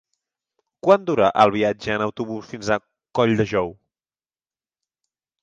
Quant dura el viatge en autobús fins a Colldejou?